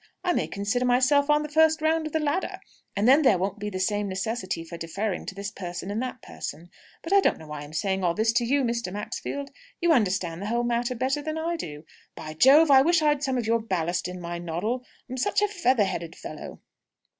I may consider myself on the first round of the ladder. And there won't be the same necessity for deferring to this person and that person. But I don't know why I'm saying all this to you, Mr. Maxfield. You understand the whole matter better than I do. By Jove, I wish I'd some of your ballast in my noddle. I'm such a feather headed fellow!"